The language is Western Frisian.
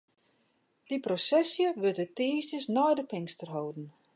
Dy prosesje wurdt de tiisdeis nei de Pinkster holden.